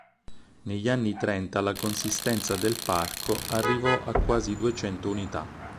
Negli anni trenta la consistenza del parco arrivò a quasi duecento unità.